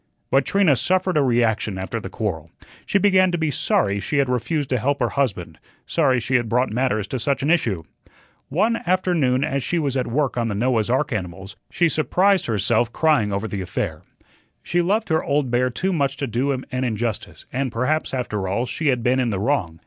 But Trina suffered a reaction after the quarrel. She began to be sorry she had refused to help her husband, sorry she had brought matters to such an issue. One afternoon as she was at work on the Noah's ark animals, she surprised herself crying over the affair. She loved her "old bear" too much to do him an injustice, and perhaps, after all, she had been in the wrong.